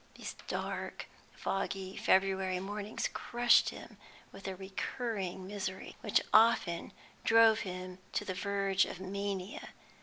These dark, foggy February mornings crushed him with a recurring misery which often drove him to the verge of mania.